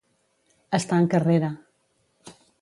Estar en carrera.